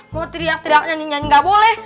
mau teriak teriak nyanyi nyanyi nggak boleh